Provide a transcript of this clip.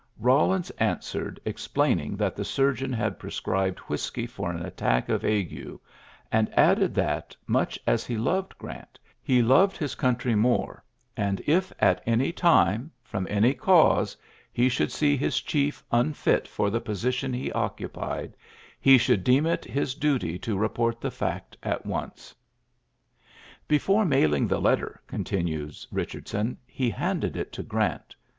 Eawlins an Bred, explaining that the surgeon had ascribed whiskey for an attack of le, and added that, much as he loved ant, he loved his country more, and at any time, from any cause, he )uld see his chief unfit for the position occupied, he should deem it his duty report the fact at once. ^'Before dling the letter,'' continues Eichard i, ^^ he handed it to Grant.